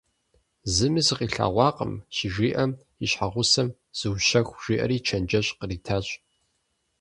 Зыми сыкъилъэгъуакъым, щыжиӀэм, и щхьэгъусэм: - Зыущэху, – жиӀэри чэнджэщ къритащ.